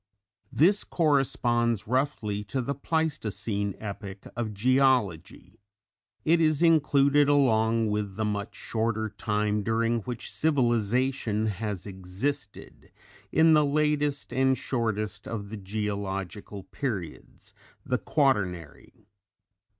This corresponds roughly to the Pleistocene epoch of geology; it is included along with the much shorter time during which civilization has existed, in the latest and shortest of the geological periods, the Quaternary.